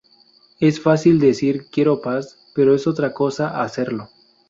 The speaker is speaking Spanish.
Es fácil decir "Quiero paz", pero es otra cosa hacerlo...